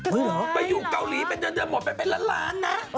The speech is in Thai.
เหรอไปอยู่เกาหลีเป็นเดือนหมดไปเป็นล้านล้านนะ